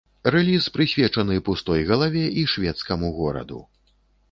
Рэліз прысвечаны пустой галаве і шведскаму гораду.